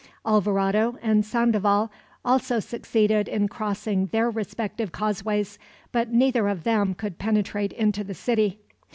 Alvarado and Sandoval also succeeded in crossing their respective causeways, but neither of them could penetrate into the city.